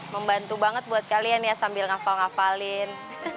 membantu banget buat kalian ya sambil ngafal ngafalin